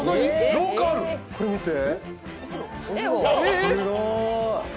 これ見て。